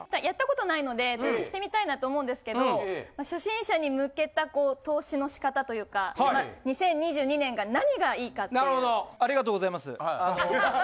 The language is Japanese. やったことないので投資してみたいなと思うんですけど初心者に向けた投資の仕方というか２０２２年が何がいいかっていう。